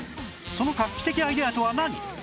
その画期的アイデアとは何？